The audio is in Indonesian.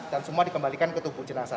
dan semua dikembalikan ke tubuh jenazah